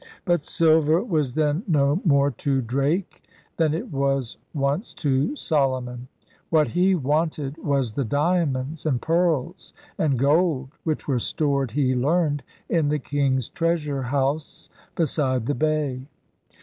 But silver was then no more to Drake than it was once to Solomon. What he wanted was the diamonds and pearls and gold, which were stored, he learned, in the King's Treasure House beside the bay.